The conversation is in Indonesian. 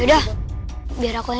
yaudah biar aku yang cek